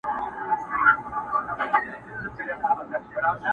• او په لاري کي شاباسونه زنده باد سې اورېدلای,